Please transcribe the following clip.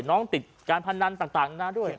น้องติดการพันดันต่างด้านหน้าด้วย